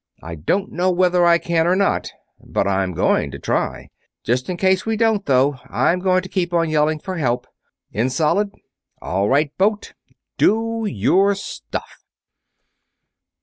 "I don't know whether I can or not, but I'm going to try. Just in case we don't, though, I'm going to keep on yelling for help. In solid? All right, boat, DO YOUR STUFF!"